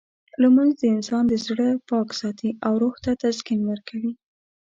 لمونځ د انسان زړه پاک ساتي او روح ته تسکین ورکوي.